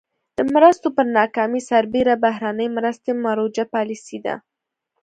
د مرستو پر ناکامۍ سربېره بهرنۍ مرستې مروجه پالیسي ده.